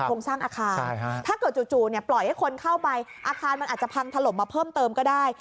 โครงสร้างอาคารถ้าเกิดจู่ปล่อยให้คนเข้าไปอาคารมันอาจจะพังถล่มมาเพิ่มเติมก็ได้